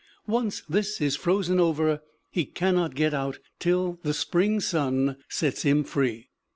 Once this is frozen over, he cannot get out till the spring sun sets him free.